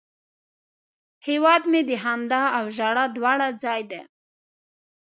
هیواد مې د خندا او ژړا دواړه ځای دی